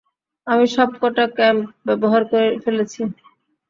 আমি সবকটা ক্ল্যাম্প ব্যবহার করে ফেলেছি!